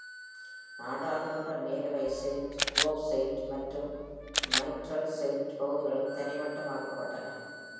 நாடாளுமன்ற மேலவை saint, Grove Saint மற்றும் Myrtle Saint பகுதிகளும் தரைமட்டமாக்கப்பட்டன.